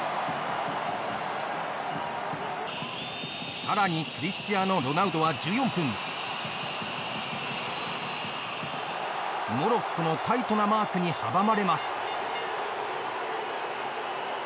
さらにクリスチアーノロナウドは１４分モロッコのタイトなマークに阻まれます。